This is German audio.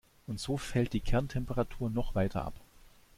Und so fällt die Kerntemperatur noch weiter ab.